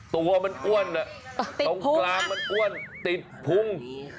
ตัวมันอ้วนตรงกลางมันอ้วนติดพุง